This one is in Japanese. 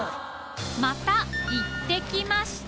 磴泙行ってきました